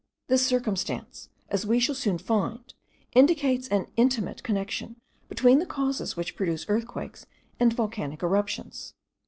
This circumstance, as we shall soon find, indicates an intimate connection between the causes which produce earthquakes and volcanic eruptions.